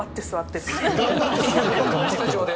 スタジオで？